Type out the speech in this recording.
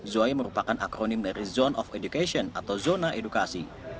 zoe merupakan akronim dari zone of education atau zona edukasi